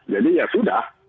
jadi ya sudah